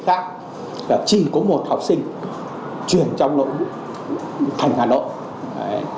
tại vì vậy chỉ có một học sinh chuyển trong nội thành hà nội